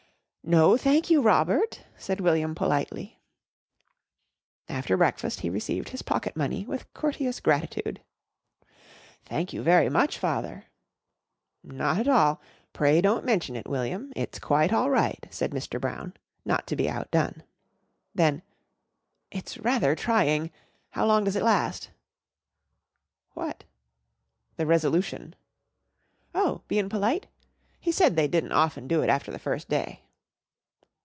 "No thank you, Robert," said William politely. After breakfast he received his pocket money with courteous gratitude. "Thank you very much, Father." "Not at all. Pray don't mention it, William. It's quite all right," said Mr. Brown, not to be outdone. Then, "It's rather trying. How long does it last?" "What?" "The resolution." "Oh, bein' p'lite! He said they didn't often do it after the first day."